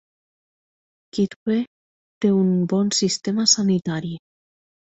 Kitwe té un bon sistema sanitari.